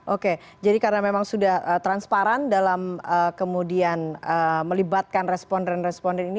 oke jadi karena memang sudah transparan dalam kemudian melibatkan responden responden ini